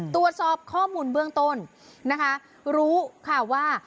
ตรวจสอบข้อมูลเบื้องต้นนะคะรู้ค่ะว่า